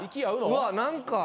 うわっ何か。